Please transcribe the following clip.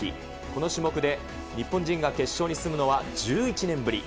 この種目で日本人が決勝に進むのは１１年ぶり。